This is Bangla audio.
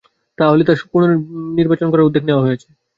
তার আসনে পুননির্বাচন করার উদ্যোগ নেওয়া হয়েছে।